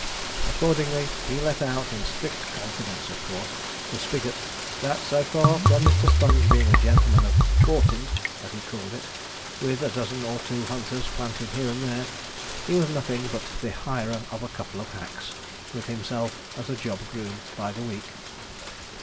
Accordingly he let out, in strict confidence of course, to Spigot, that so far from Mr. Sponge being a gentleman of 'fortin,' as he called it, with a dozen or two hunters planted here and there, he was nothing but the hirer of a couple of hacks, with himself as a job groom, by the week.